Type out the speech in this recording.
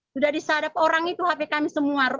sudah disadap orang itu hp kami semua